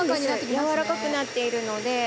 柔らかくなっているので。